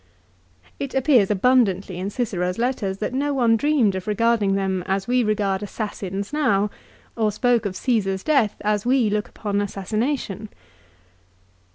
It appears abundantly in Cicero's letters that no one dreamed of regarding them as we regard assassins now, or spoke of Caesar's death as we look upon assassination.